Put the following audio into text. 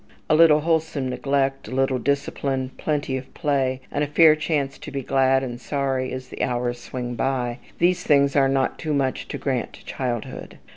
A little wholesome neglect, a little discipline, plenty of play, and a fair chance to be glad and sorry as the hours swing by, these things are not too much to grant to childhood.